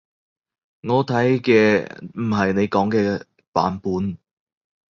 我睇嘅唔係你講嘅版本